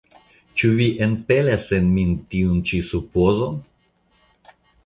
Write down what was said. ĉu vi enpelas en min tiun ĉi supozon?